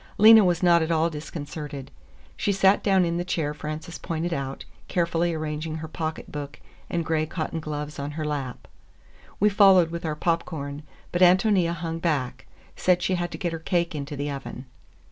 Lena was not at all disconcerted. She sat down in the chair Frances pointed out, carefully arranging her pocketbook and gray cotton gloves on her lap. We followed with our popcorn, but Ántonia hung back—said she had to get her cake into the oven.